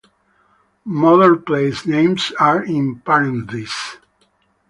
Modern place names are in parentheses.